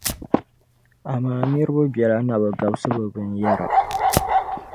Amaa niriba biɛla na bi gabisi be binyɛra.